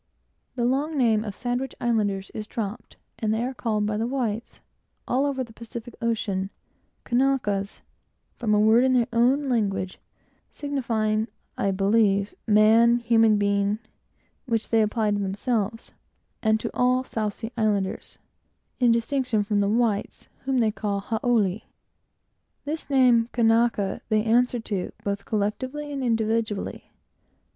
The long name of Sandwich Islanders is dropped, and they are called by the whites, all over the Pacific ocean, "Kanákas," from a word in their own language which they apply to themselves, and to all South Sea Islanders, in distinction from whites, whom they call "Haole." This name, "Kanaka," they answer to, both collectively and individually.